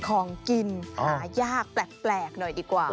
ของกินหายากแปลกหน่อยดีกว่า